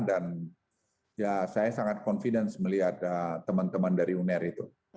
dan ya saya sangat confident melihat teman teman dari uner itu